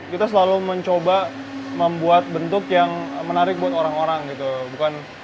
kita selalu mencoba membuat bentuk yang menarik buat orang orang gitu